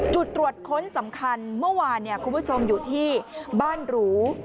จุดตรวจค้นสำคัญเมื่อวานคุณผู้ชมอยู่ที่บ้านหรู